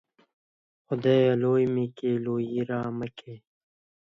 خدايه! لوى مې کې ، لويي رامه کې.